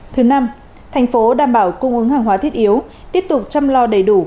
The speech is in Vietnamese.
thứ năm thành phố đảm bảo cung ứng hàng hóa thiết yếu tiếp tục chăm lo đầy đủ